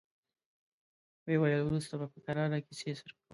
ويې ويل: وروسته به په کراره کيسې سره کوو.